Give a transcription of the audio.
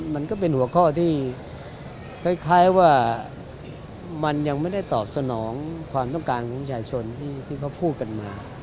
มันก็เป็นหัวข้อที่คล้ายว่ามันยังไม่ได้ตอบสนองความต้องการของชายชนที่เขาพูดกันมา